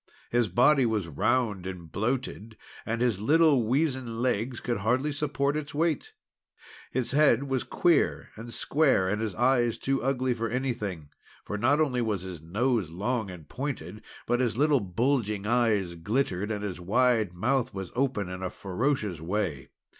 His body was round and bloated, and his little weazen legs could hardly support its weight. His head was queer and square, and his face too ugly for anything, for not only was his nose long and pointed, but his little bulging eyes glittered, and his wide mouth was opened in a ferocious way.